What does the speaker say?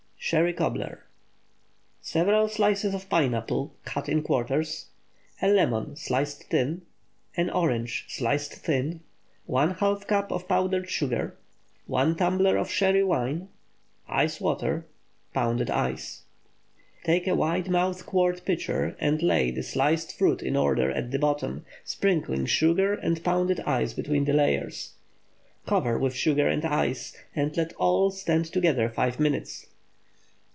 SHERRY COBBLER. Several slices of pineapple, cut in quarters. A lemon, sliced thin. An orange, sliced thin. ½ cup of powdered sugar. 1 tumbler of Sherry wine. Ice water. Pounded ice. Take a wide mouthed quart pitcher and lay the sliced fruit in order at the bottom, sprinkling sugar and pounded ice between the layers. Cover with sugar and ice, and let all stand together five minutes.